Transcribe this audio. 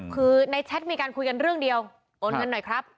คือในแชทมีการคุยกันเรื่องเดียวโอนเงินหน่อยครับ